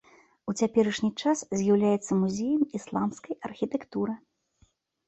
У цяперашні час з'яўляецца музеем ісламскай архітэктуры.